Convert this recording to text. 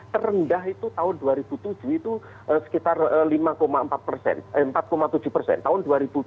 terendah itu tahun dua ribu tujuh itu sekitar empat tujuh tahun dua ribu tujuh